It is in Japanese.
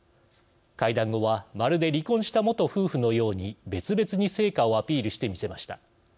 会談後はまるで離婚した元夫婦のように別々に成果をアピールしてみせました。